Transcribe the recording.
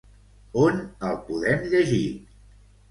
On el podem llegir?